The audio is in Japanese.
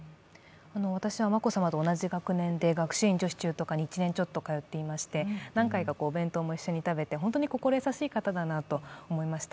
私は眞子さまと同じ学年で学習院女子中等科に１年ちょっと通っていまして、何回かお弁当も一緒に食べて本当に心優しい方だなと思いました。